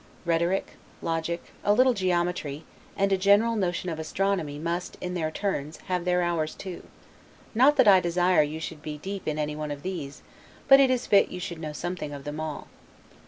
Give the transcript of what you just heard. Rhetoric, logic, a little geometry, and a general notion of astronomy, must, in their turns, have their hours too; not that I desire you should be deep in any one of these; but it is fit you should know something of them all.